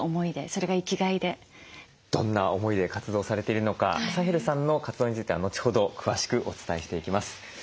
どんな思いで活動されているのかサヘルさんの活動については後ほど詳しくお伝えしていきます。